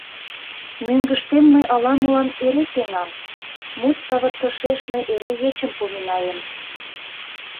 Мӧҥгыштем мый ала-молан эре пеҥам, мут савыртышеш мый эре ечым поминаем.